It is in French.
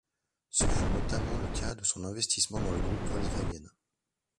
Ce fut notamment le cas de son investissement dans le groupe Volkswagen.